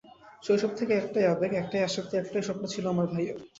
শৈশব থেকেই একটাই আবেগ, একটাই আসক্তি, একটাই স্বপ্ন ছিল আমার ভাইয়ের।